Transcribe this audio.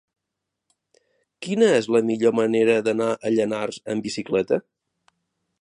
Quina és la millor manera d'anar a Llanars amb bicicleta?